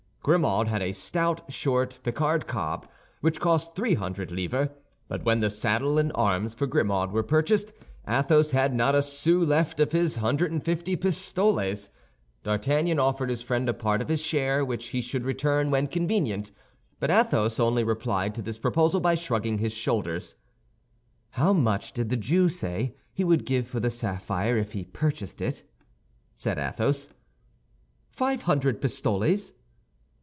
Grimaud had a stout, short Picard cob, which cost three hundred livres. But when the saddle and arms for Grimaud were purchased, Athos had not a sou left of his hundred and fifty pistoles. D'Artagnan offered his friend a part of his share which he should return when convenient. But Athos only replied to this proposal by shrugging his shoulders. "How much did the Jew say he would give for the sapphire if he purchased it?" said Athos. "Five hundred pistoles."